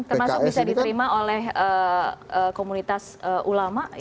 termasuk bisa diterima oleh komunitas ulama yang tadi disampaikan oleh ustazah